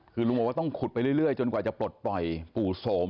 คือลุงบอกว่าต้องขุดไปเรื่อยจนกว่าจะปลดปล่อยปู่โสม